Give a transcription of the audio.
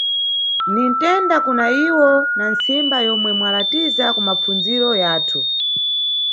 Ninʼtenda kuna imwepo na ntsimba yomwe mwalatiza kumapfundziro yathu.